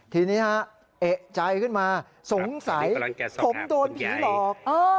ทีนี้ฮะเอกใจขึ้นมาสงสัยผมโดนผีหลอก